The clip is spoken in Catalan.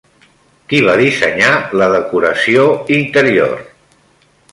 Qui va dissenyar la decoració interior?